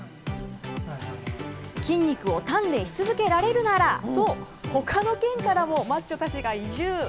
筋肉を鍛錬し続けられるならと、ほかの県からもマッチョたちが移住。